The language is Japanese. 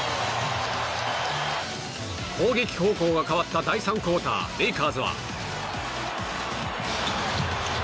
攻撃方向が変わった第３クオーターレイカーズは。